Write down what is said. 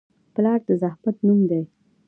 پلار د زحمت نوم دی.